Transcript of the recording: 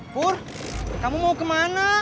pur kamu mau kemana